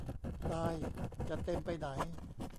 ตาย จะเต็มไปไหน